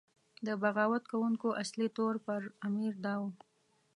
د بغاوت کوونکو اصلي تور پر امیر دا و.